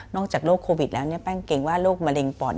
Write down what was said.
นอกจากโรคโควิดแล้วแป้งเกรงว่าโรคมะเร็งปอด